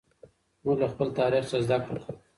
موږ له خپل تاریخ څخه زده کړه کوو.